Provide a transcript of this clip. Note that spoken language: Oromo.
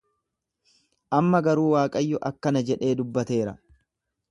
Amma garuu Waaqayyo akkana jedhee dubbateera.